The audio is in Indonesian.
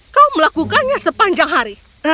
kau melakukannya sepanjang hari